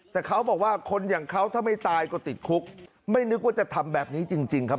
แต่เขาบอกว่าคนอย่างเขาถ้าไม่ตายก็ติดคุกไม่นึกว่าจะทำแบบนี้จริงครับ